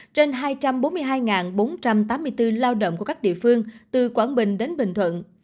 trên hai trăm bốn mươi hai bốn trăm tám mươi bốn lao động của các địa phương từ quảng bình đến bình thuận